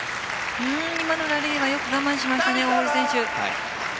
今のラリーはよく我慢しましたね、大堀選手。